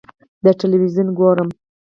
ه تلویزیون ګورم.